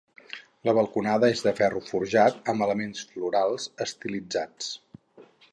La balconada és de ferro forjat amb elements florals estilitzats.